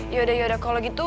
yaudah yaudah kalo gitu